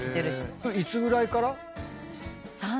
いつぐらいから？